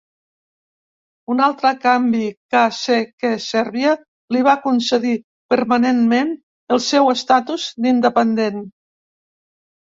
Un altre canvi ca se que Serbia li va concedir permanentment el seu estatus d'independent.